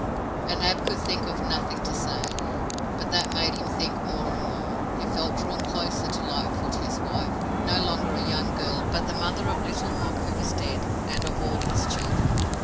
And Ab could think of nothing to say. But that made him think more and more. He felt drawn closer to Lightfoot, his wife, no longer a young girl, but the mother of Little Mok, who was dead, and of all his children.